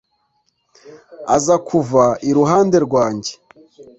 aza kuva iruhande rwanjye